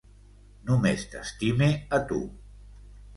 Només t'estime a tu.